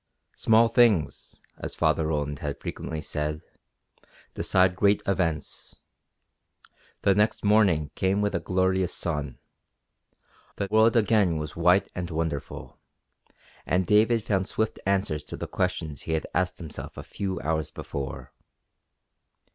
Small things, as Father Roland had frequently said, decide great events. The next morning came with a glorious sun; the world again was white and wonderful, and David found swift answers to the questions he had asked himself a few hours before.